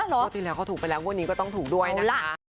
งวดที่แล้วเขาถูกไปแล้วงวดนี้ก็ต้องถูกด้วยนะคะ